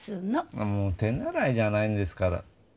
もう手習いじゃないんですから。